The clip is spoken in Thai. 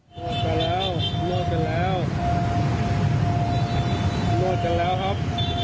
เป็นแล้วครับ